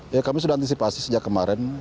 ya kami sudah antisipasi sejak kemarin